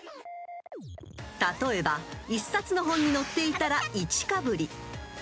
［例えば１冊の本に載っていたら］